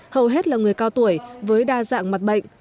hầu hết là người cao tuổi với đa dạng mặt bệnh